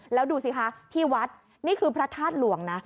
แล้วดูสิคะที่วัดนี่คือพระธาตุหลวงนะ